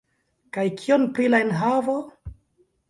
Kaj kion pri la enhavo?